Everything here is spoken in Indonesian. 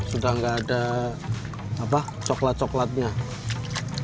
sudah tidak ada coklat coklatnya